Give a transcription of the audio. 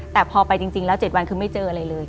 แต่พอไปจริงแล้ว๗วันคือไม่เจออะไรเลย